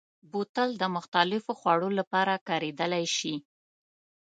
بوتل د مختلفو خوړو لپاره کارېدلی شي.